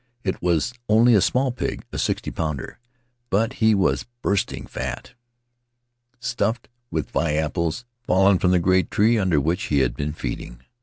It was only a small pig, a sixty pounder, but he was bursting fat, stuffed with Vi apples fallen from the great tree under which he had been feeding.